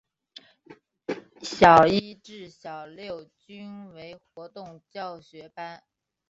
小一至小六均为活动教学班。